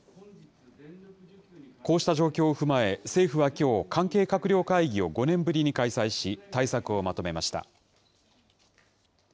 こうした状況を踏まえ、政府はきょう、関係閣僚会議を５年ぶりに開催し、対策をまとめました。